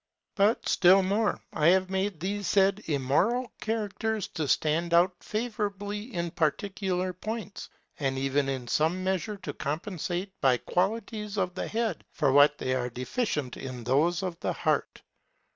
But still more. I have made these said immoral characters to stand out favorably in particular points, and even in some measure to compensate by qualities of the head for what they are deficient in those of the heart.